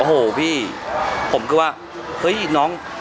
โอ้โหพี่ผมคือว่าเฮ้ยน้อง